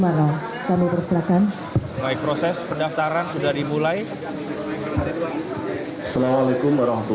dengan dibuka oleh ketua kpud dki jakarta sumarno